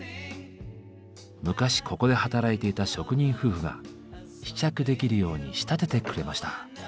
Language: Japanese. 昔ここで働いていた職人夫婦が試着できるように仕立ててくれました。